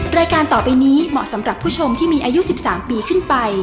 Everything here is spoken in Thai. รายการต่อไปนี้เหมาะสำหรับผู้ชมที่มีอายุ๑๓ปีขึ้นไป